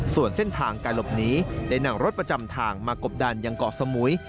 ส่วนเส้นทางการหลบหนีได้นั่งรถประจำทางมากบดันยังเกาะสมุย